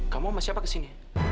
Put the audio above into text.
kamu sama siapa kesini